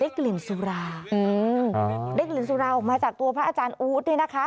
กลิ่นสุราอืมได้กลิ่นสุราออกมาจากตัวพระอาจารย์อู๊ดเนี่ยนะคะ